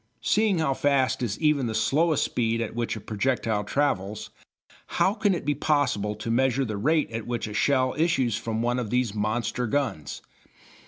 Seeing how fast is even the slowest speed at which a projectile travels, how can it be possible to measure the rate at which a shell issues from one of these monster guns.